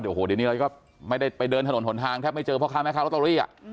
โดยนี้เราก็ไม่ได้ไปเดินถนนหนทางแทบไม่เจอเพราะคราวนี้อ่ะ